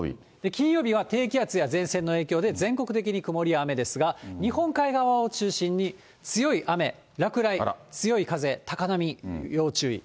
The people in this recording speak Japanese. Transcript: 金曜日は低気圧や前線の影響で全国的に曇りや雨ですが、日本海側を中心に、強い雨、落雷、強い風、高波、要注意。